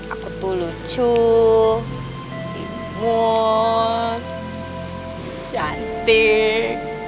aku tuh lucu imun cantik